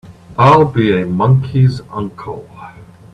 I'll be a monkey's uncle!